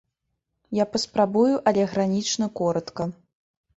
Я паспрабую, але гранічна коратка.